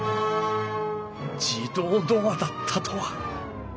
自動ドアだったとは。